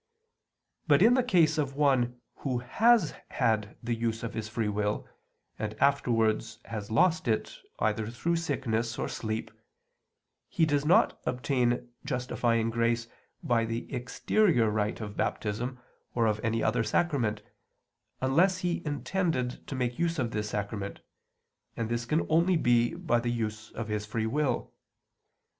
But in the case of one who has had the use of his free will and afterwards has lost it either through sickness or sleep, he does not obtain justifying grace by the exterior rite of Baptism, or of any other sacrament, unless he intended to make use of this sacrament, and this can only be by the use of his free will.